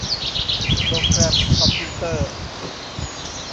โปรแกรมคอมพิวเตอร์